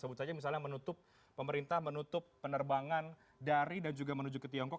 sebut saja misalnya menutup pemerintah menutup penerbangan dari dan juga menuju ke tiongkok